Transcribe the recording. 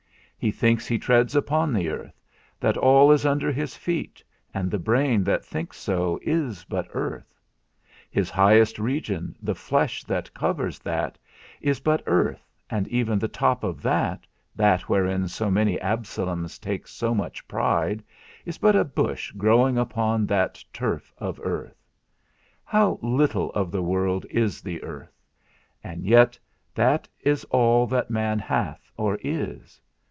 He thinks he treads upon the earth, that all is under his feet, and the brain that thinks so is but earth; his highest region, the flesh that covers that, is but earth, and even the top of that, that wherein so many Absaloms take so much pride, is but a bush growing upon that turf of earth. How little of the world is the earth! And yet that is all that man hath or is.